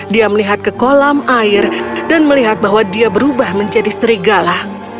dia melihat ke kolam air dan melihat bahwa dia berubah menjadi serigala